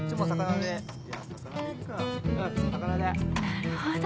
なるほど